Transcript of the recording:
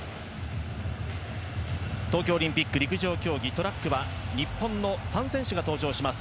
東京オリンピック陸上競技トラックは日本の３選手が登場します。